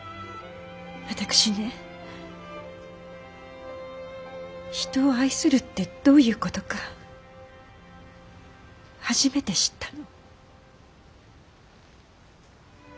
私ね人を愛するってどういう事か初めて知ったの。